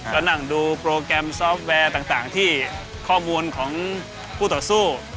ก็นั่งดูโปรแกรมซอฟต์แวร์ต่างที่ข้อมูลของผู้ต่อสู้